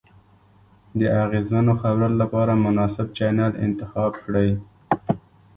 د اغیزمنو خبرو لپاره مناسب چینل انتخاب کړئ.